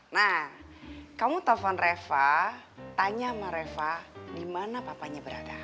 nah kamu telpon reva tanya sama reva di mana papanya berada